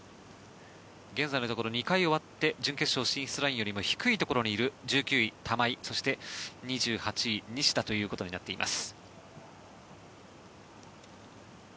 現在のところ２回終わって準決勝進出ラインよりも低いところにいる１９位、玉井そして２８位、西田ということになっています。